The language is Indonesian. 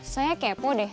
saya kepo deh